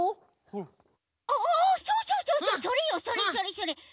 そうそうそうそうそれよそれそれそれ。